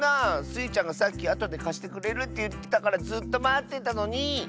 スイちゃんがさっきあとでかしてくれるっていってたからずっとまってたのに！